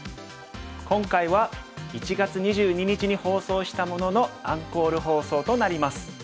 今回は１月２２日に放送したもののアンコール放送となります。